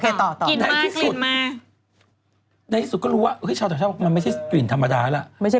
กลิ่นมากลิ่นมาในที่สุดก็รู้ว่าเฮ้ยชาวแถวชาวมันไม่ใช่กลิ่นธรรมดาแล้ว